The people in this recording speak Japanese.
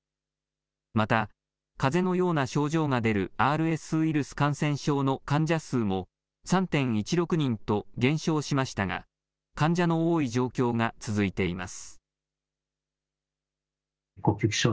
また、かぜのような症状が出るＲＳウイルス感染症の患者数も、３．１６人と減少しましたが、患者の多い状況が続いています。